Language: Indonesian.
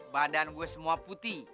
badan gue semua putih